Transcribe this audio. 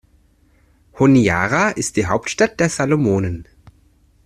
Honiara ist die Hauptstadt der Salomonen.